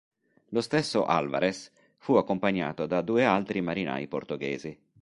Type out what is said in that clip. Lo stesso Álvares fu accompagnato da due altri marinai portoghesi.